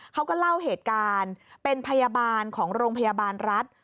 เขาก็เล่าเหตุการณ์เป็นพยาบาลของโรงพยาบาลรัฐ